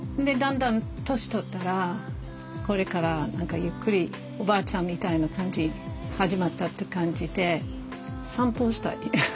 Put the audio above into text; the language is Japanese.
だんだん年取ったらこれから何かゆっくりおばあちゃんみたいな感じ始まったって感じで散歩したい。